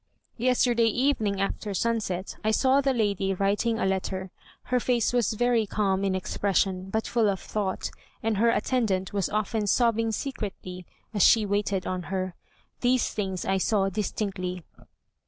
Yesterday evening, after sunset, I saw the lady writing a letter, her face was very calm in expression, but full of thought, and her attendant was often sobbing secretly, as she waited on her. These things I saw distinctly."